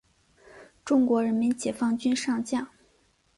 中国人民解放军上将。